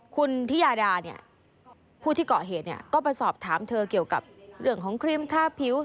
คุณธิยาดาเนี่ยผู้ที่เกาะเหตุเนี่ยก็ไปสอบถามเธอเกี่ยวกับเรื่องของครีมทาผิว